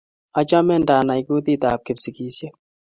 Achome ndanai kutit ab Kipsigishiek